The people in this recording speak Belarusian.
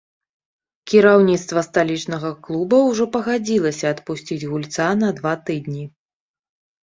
Кіраўніцтва сталічнага клуба ўжо пагадзілася адпусціць гульца на два тыдні.